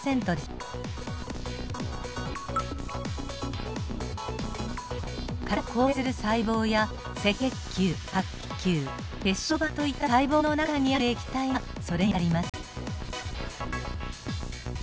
体を構成する細胞や赤血球白血球血小板といった細胞の中にある液体がそれにあたります。